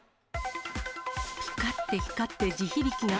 ぴかって光って地響きが。